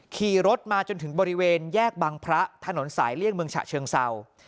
ขี่รถมาจนถึงบริเวณแยกบังพระถนนสายเลี่ยงเมืองฉะเชิงเศร้า